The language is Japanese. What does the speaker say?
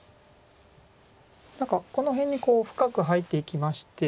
何かこの辺に深く入っていきまして。